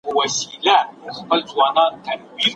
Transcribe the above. ټاکلي اهداف بايد ترلاسه سي.